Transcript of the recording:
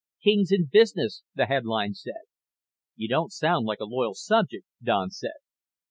KING'S IN BUSINESS, the headline said. "You don't sound like a loyal subject," Don said.